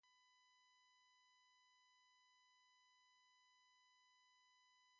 Professor Chadwick tells me that he sees no reason to doubt its truth.